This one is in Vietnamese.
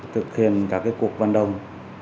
thực hiện các cuộc văn đồng